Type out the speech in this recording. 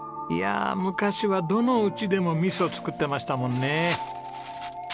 いやあ昔はどの家でも味噌を造ってましたもんね。